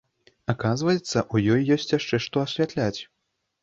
Аказваецца, у ёй ёсць яшчэ што асвятляць.